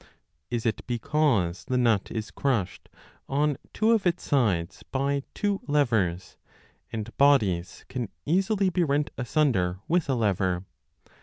Is it because the nut is crushed on two of its sides by two " levers, and bodies can easily be rent asunder with a lever